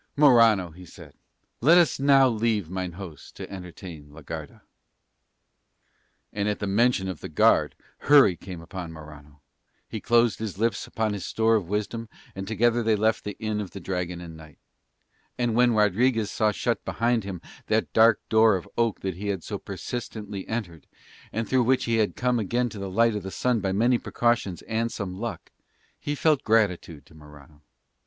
"Morano," he said, "let us now leave mine host to entertain la Garda." And at the mention of the guard hurry came on Morano, he closed his lips upon his store of wisdom, and together they left the Inn of the Dragon and Knight. And when Rodriguez saw shut behind him that dark door of oak that he had so persistently entered, and through which he had come again to the light of the sun by many precautions and some luck, he felt gratitude to Morano.